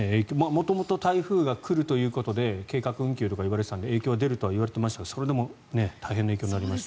元々、台風が来るということで計画運休とか言われていたので影響が出るとは言われていましたがそれでも影響が出ました。